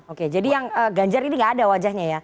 oke jadi yang ganjar ini gak ada wajahnya ya